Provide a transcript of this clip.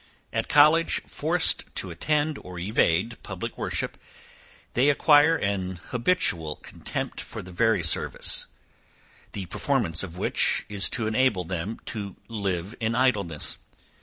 At college, forced to attend or evade public worship, they acquire an habitual contempt for the very service, the performance of which is to enable them to live in idleness.